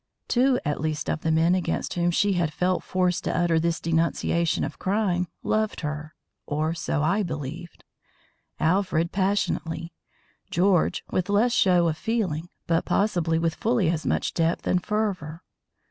Two at least of the men against whom she had felt forced to utter this denunciation of crime, loved her (or so I believed), Alfred passionately, George with less show of feeling, but possibly with fully as much depth and fervour.